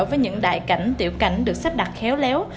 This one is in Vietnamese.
với những đại cảnh tiểu cảnh được sắp đặt khéo léo